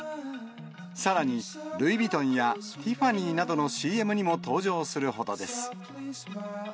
さらに、ルイ・ヴィトンやティファニーなどのＣＭにも登場するほどです。